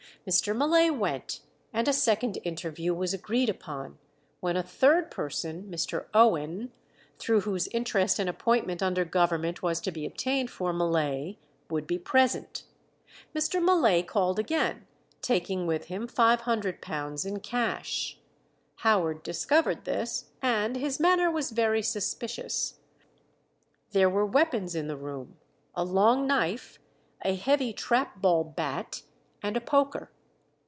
Mr. Mullay went, and a second interview was agreed upon, when a third person, Mr. Owen, through whose interest an appointment under Government was to be obtained for Mullay, would be present. Mr. Mullay called again, taking with him £500 in cash. Howard discovered this, and his manner was very suspicious; there were weapons in the room a long knife, a heavy trap ball bat, and a poker.